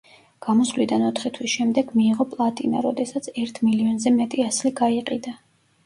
გამოსვლიდან ოთხი თვის შემდეგ მიიღო პლატინა, როდესაც ერთ მილიონზე მეტი ასლი გაიყიდა.